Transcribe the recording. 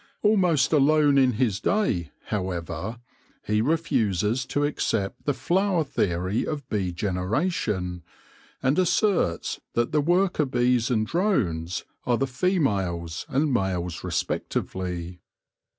Almost alone in his day, however, he refuses to accept the flower theory of bee generation, and asserts that the worker bees and drones are the females and males respectively.